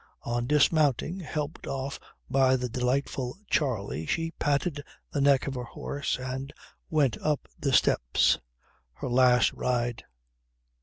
On dismounting, helped off by the delightful Charley, she patted the neck of her horse and went up the steps. Her last ride.